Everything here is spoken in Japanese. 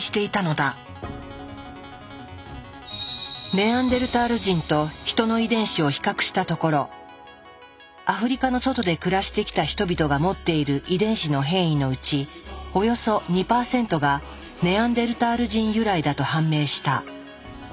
ネアンデルタール人とヒトの遺伝子を比較したところアフリカの外で暮らしてきた人々が持っている遺伝子の変異のうちおよそ２％がネアンデルタール人由来だと判明した。